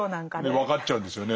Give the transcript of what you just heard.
分かっちゃうんですよね。